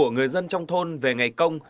người dân trong thôn về ngày công